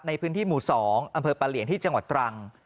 ในพื้นที่หมู่๒อำเภอปะเหลียงที่จังหวัดตรัง